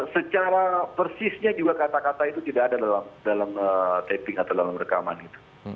secara persisnya juga kata kata itu tidak ada dalam taping atau dalam rekaman itu